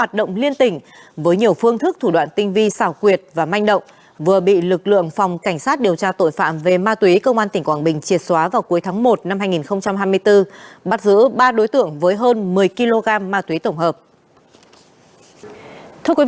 trong dịp tết vừa qua văn phòng cảnh sát điều tra công an tỉnh quảng ngãi đã bắt giữ được lê đức